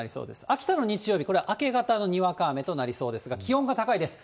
秋田の日曜日、これ、明け方のにわか雨となりそうですが、気温が高いです。